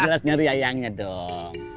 jelas nyari ayangnya dong